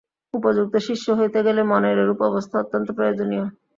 উপযুক্ত শিষ্য হইতে গেলে মনের এরূপ অবস্থা অত্যন্ত প্রয়োজনীয়।